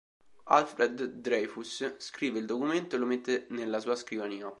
Alfred Dreyfus, scrive il documento e lo mette nella sua scrivania.